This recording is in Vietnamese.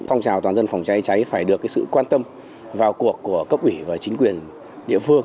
phong trào toàn dân phòng cháy cháy phải được sự quan tâm vào cuộc của cấp ủy và chính quyền địa phương